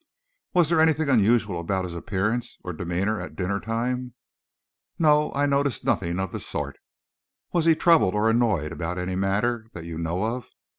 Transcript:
"Was there anything unusual about his appearance or demeanor at dinner time?" "No; I noticed nothing of the sort." "Was he troubled or annoyed about any matter, that you know of?"